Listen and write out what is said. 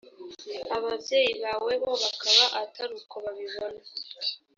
ababyeyi bawe bo bakaba atari uko babibona